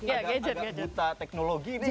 agak buta teknologi nih